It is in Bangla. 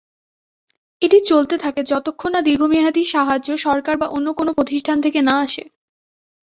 এটি চলতে থাকে যতক্ষন না দীর্ঘমেয়াদী সাহায্য সরকার বা অন্য কোন প্রতিষ্ঠান থেকে না আসে।